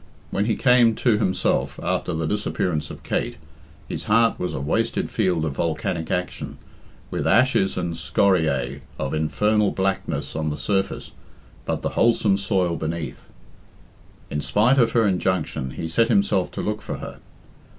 When he came to himself after the disappearance of Kate, his heart was a wasted field of volcanic action, with ashes and scoriae of infernal blackness on the surface, but the wholesome soil beneath. In spite of her injunction, he set himself to look for her.